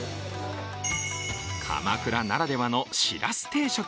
鎌倉ならではのしらす定食。